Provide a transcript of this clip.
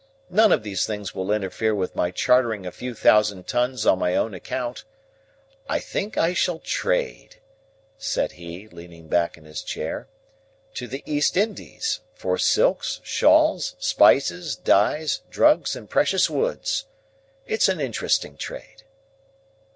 None of these things will interfere with my chartering a few thousand tons on my own account. I think I shall trade," said he, leaning back in his chair, "to the East Indies, for silks, shawls, spices, dyes, drugs, and precious woods. It's an interesting trade."